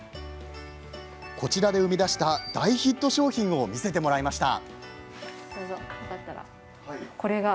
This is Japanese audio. こちらで生み出した大ヒット商品を見せてもらいました。